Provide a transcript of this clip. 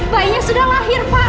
bayinya sudah lahir pak